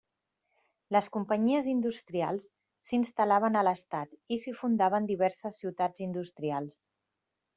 Les companyies industrials s'instal·laven a l'estat i s'hi fundaven diverses ciutats industrials.